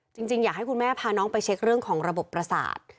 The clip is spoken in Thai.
จริงอยากให้คุณแม่พาน้องไปเช็คเรื่องของระบบประสาท